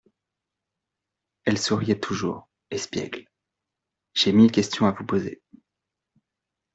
Elle souriait toujours, espiègle. J’ai mille questions à vous poser.